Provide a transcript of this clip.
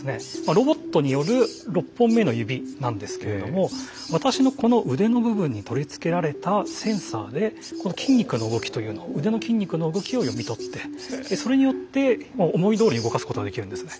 ロボットによる６本目の指なんですけれども私のこの腕の部分に取り付けられたセンサーで筋肉の動きというのを腕の筋肉の動きを読み取ってそれによって思いどおり動かすことができるんですね。